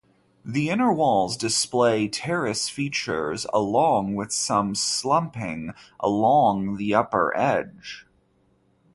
The inner walls display terrace features, along with some slumping along the upper edge.